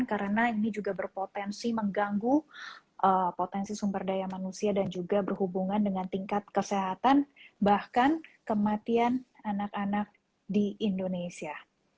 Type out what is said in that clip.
karena ini juga berpotensi mengganggu potensi sumber daya manusia dan juga berhubungan dengan tingkat kesehatan bahkan kematian anak anak di indonesia